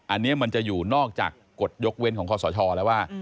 อันนี้มันจะอยู่นอกจากกฎยกเว้นของคอสชแล้วว่า